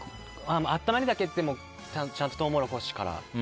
温めるだけって言ってもちゃんとトウモロコシから。